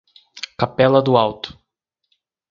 Capela do Alto